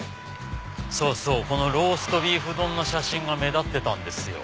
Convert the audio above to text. そうそうこのローストビーフ丼の写真が目立ってたんですよ。